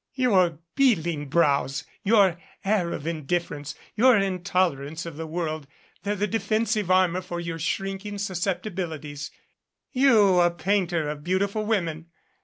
Your beetling brows, your air of indifference, your intolerance of the world, they're the defensive armor for your shrinking susceptibilities you a painter of beautiful women!